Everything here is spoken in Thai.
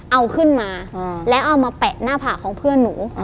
เอาขึ้นมาแล้วเอามาแปะหน้าผากของเพื่อนหนู